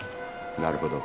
なるほど。